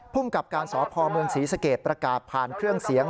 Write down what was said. ภูมิกับการสพเมืองศรีสเกตประกาศผ่านเครื่องเสียง